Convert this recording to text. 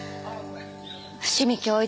伏見亨一